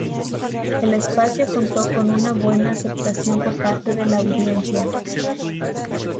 El espacio contó con una buena aceptación por parte de la audiencia.